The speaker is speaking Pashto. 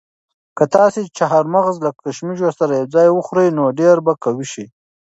که تاسي چهارمغز له کشمشو سره یو ځای وخورئ نو ډېر به قوي شئ.